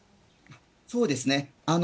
そうですね。